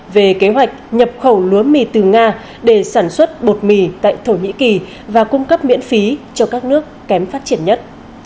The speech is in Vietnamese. về kế hoạch nhập khẩu lúa mì từ nga để sản xuất bột mì tại thổ nhĩ kỳ và cung cấp miễn phí cho các nước kém phát triển nhất